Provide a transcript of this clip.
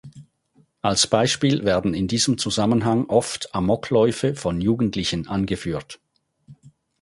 Als Beispiel werden in diesem Zusammenhang oft Amokläufe von Jugendlichen angeführt.